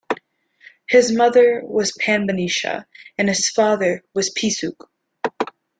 His mother was Panbanisha and his father was P-suke.